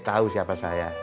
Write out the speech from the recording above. kau siapa saya